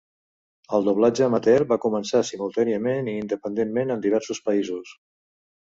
El doblatge amateur va començar simultàniament i independentment en diversos països.